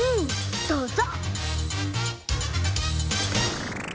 どうぞ！